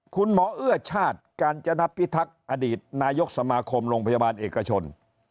เอื้อชาติกาญจนพิทักษ์อดีตนายกสมาคมโรงพยาบาลเอกชน